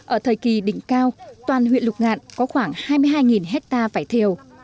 ở thời kỳ đỉnh cao toàn huyện lục ngạn có khoảng hai mươi hai hectare vải thiều